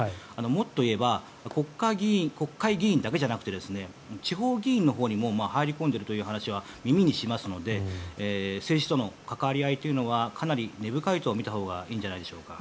もっといえば国会議員だけじゃなくて地方議員のほうにも入り込んでいるという話は耳にしますので政治との関わり合いというのはかなり根深いと見たほうがいいんじゃないでしょうか。